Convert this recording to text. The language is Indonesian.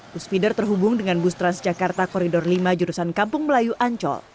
bus feeder terhubung dengan bus transjakarta koridor lima jurusan kampung melayu ancol